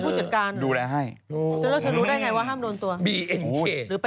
วิวตอให้เข้าเลยก็บิเนาะ